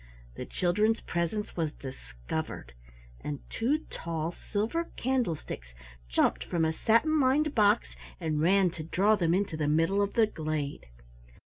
The children's presence was discovered, and two, tall, silver candlesticks jumped from a satin lined box and ran to draw them into the middle of the glade.